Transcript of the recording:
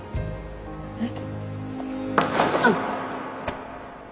えっ？